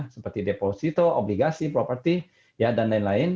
seperti deposito obligasi perusahaan dll